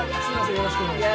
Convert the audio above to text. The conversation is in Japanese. よろしくお願いします。